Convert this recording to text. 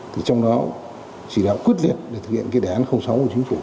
trong đó chỉ đạo quyết liệt để thực hiện đề án sáu của chính phủ